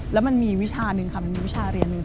แล้วมันมีวิชาหนึ่งค่ะมันมีวิชาเรียนหนึ่ง